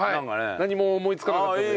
何も思いつかなかったんで。